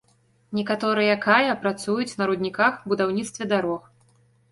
Некаторыя кая працуюць на рудніках, будаўніцтве дарог.